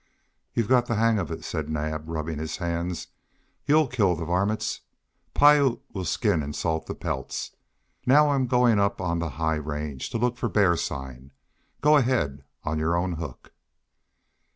"You've got the hang of it," said Naab, rubbing his hands. "You'll kill the varmints. Piute will skin and salt the pelts. Now I'm going up on the high range to look for bear sign. Go ahead, on your own hook."